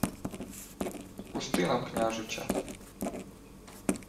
— Пусти нам княжича.